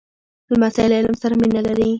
لمسی له علم سره مینه لري.